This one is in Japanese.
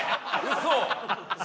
「嘘？」